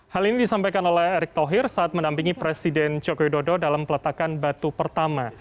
hal ini disampaikan oleh erick thohir saat menampingi presiden joko widodo dalam peletakan batu pertama